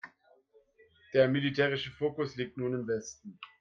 Der militärische Fokus liegt nun im Westen.